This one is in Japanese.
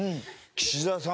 岸田さん